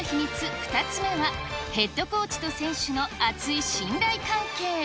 ２つ目は、ヘッドコーチと選手のあつい信頼関係。